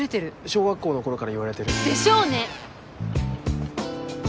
小学校の頃から言われてる。でしょうね！